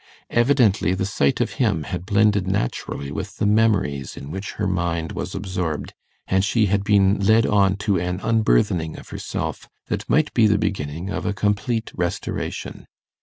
Evidently the sight of him had blended naturally with the memories in which her mind was absorbed, and she had been led on to an unburthening of herself that might be the beginning of a complete restoration.